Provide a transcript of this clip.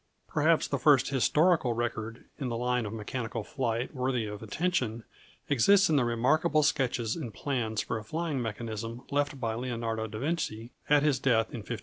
Perhaps the first historical record in the line of mechanical flight worthy of attention exists in the remarkable sketches and plans for a flying mechanism left by Leonardo da Vinci at his death in 1519.